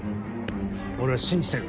俺は信じてる。